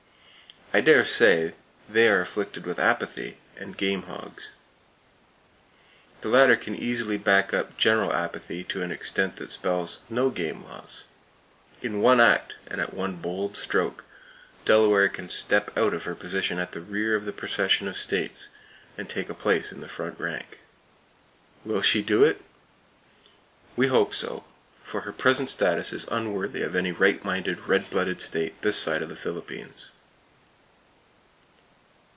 I dare say they are afflicted with apathy, and game hogs. The latter can easily back up General Apathy to an extent that spells "no game laws." In one act, and at one bold stroke, Delaware can step out of her position at the rear of the procession of states, and take a place in the front rank. Will she do it? We hope so, for her present status is unworthy of any right minded, red blooded state this side of the Philippines.